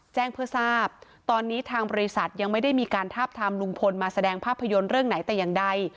แจ้งเพื่อทราบตอนนี้ทางบริษัทยังไม่ได้มีการทาบทามลุงพลมาแสดงภาพยนตร์เรื่องไหนแต่อย่างใด